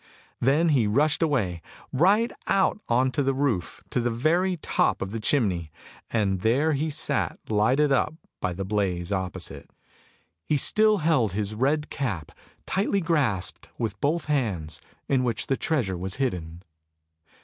Then he rushed away, right out on to the roof to the very top of the chimney, and there he sat lighted up by the blaze opposite. He still held his red cap tightly grasped with both hands, in which the treasure was hidden.